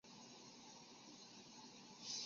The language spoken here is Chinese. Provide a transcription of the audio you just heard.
海南鱼藤为豆科鱼藤属下的一个种。